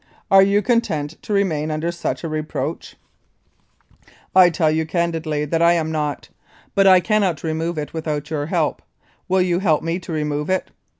Are you content to remain under such a reproach ? I tell you candidly that I am not, but I cannot remove it without your help. Will you help me to remove it?